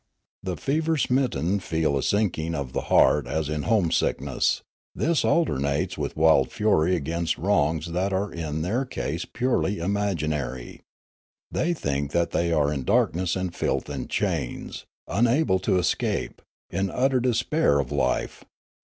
The fever smitten feel a sinking of the heart as in homesickness ; this alternates with wild fury against wrongs that are in their case purely imaginary. They think that they are in darkness and filth and chains, unable to escape, in utter despair of life.